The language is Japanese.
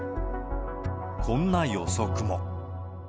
こんな予測も。